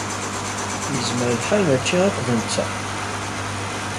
Yezmer lḥal mačči akk d netta.